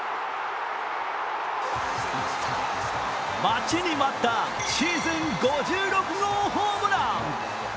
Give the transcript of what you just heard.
待ちに待ったシーズン５６号ホームラン。